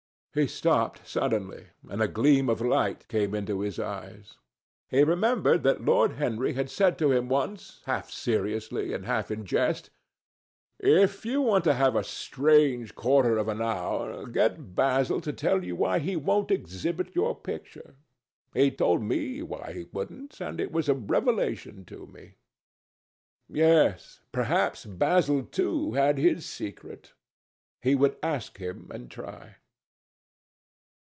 He stopped suddenly, and a gleam of light came into his eyes. He remembered that Lord Henry had said to him once, half seriously and half in jest, "If you want to have a strange quarter of an hour, get Basil to tell you why he won't exhibit your picture. He told me why he wouldn't, and it was a revelation to me." Yes, perhaps Basil, too, had his secret. He would ask him and try.